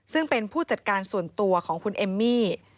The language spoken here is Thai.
ซึ่งเป็นผู้จัดการส่วนตัวของคุณเอมมี่